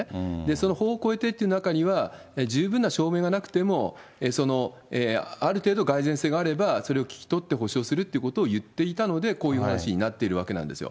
その法を超えてって中には、十分な証明がなくても、ある程度、がい然性があれば、それを聞き取って補償するってことを言っていたので、こういう話になっているわけなんですよ。